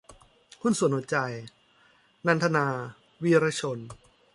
หุ้นส่วนหัวใจ - นันทนา วีระชน